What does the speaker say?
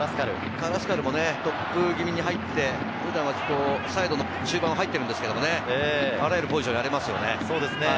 カラスカルもトップ気味に入って、普段はサイドの中盤に入っているんですけど、あらゆるポジションをやれますよね。